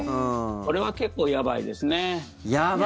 これは結構やばいですね。